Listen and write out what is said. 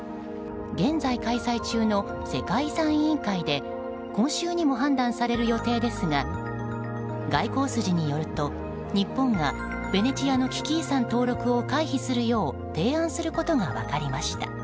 現在開催中の世界遺産委員会で今週にも判断される予定ですが外交筋によると、日本がベネチアの危機遺産登録を回避するよう提案することが分かりました。